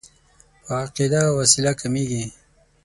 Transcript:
په عقیده او وسیله کېږي.